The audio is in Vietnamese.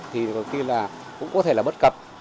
thì đôi khi là cũng có thể là bất cập